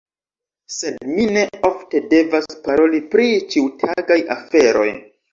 Sed mi ne ofte devas paroli pri ĉiutagaj aferoj.